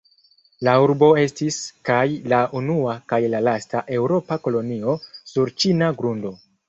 La urbo estis kaj la unua kaj la lasta eŭropa kolonio sur ĉina grundo.